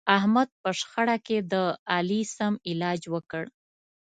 احمد په شخړه کې د علي سم علاج وکړ.